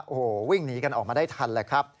โอ้โหวิ่งหนีกันออกมาได้ทันแหละครับ